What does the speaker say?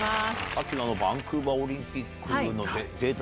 さっきのバンクーバーオリンピックのデータ。